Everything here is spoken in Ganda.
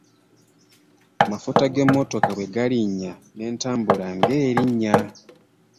Amafuta g'emmotoka bwe galinnya n'entambula ng'erinnya.